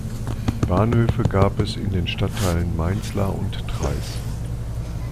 Bahnhöhe gab es in den Stadtteilen Mainzlar und Treis.